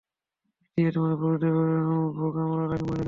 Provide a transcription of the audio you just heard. মিটিয়ে তোমাদের পুরুষের ভোগ আমরা রাখি মহিলাদের মুখ।